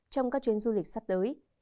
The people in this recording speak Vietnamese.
trong các chuyến du lịch sắp tới